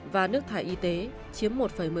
và nước thải y tế chiếm